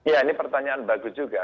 ya ini pertanyaan bagus juga